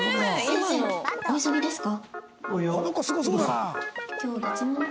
先生お急ぎですか？